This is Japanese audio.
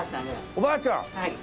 おばあちゃん！